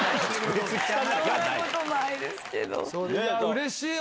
うれしい！